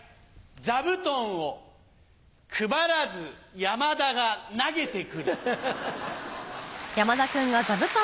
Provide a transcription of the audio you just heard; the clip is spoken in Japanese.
座布団を配らず山田が投げてくる。